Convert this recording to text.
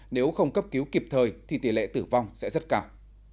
nếu không cấp cứu kịp thời thì tỷ lệ tử vong sẽ rất cao